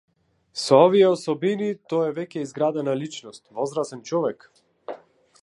Со овие особини, тој е веќе изградена личност, возрасен човек.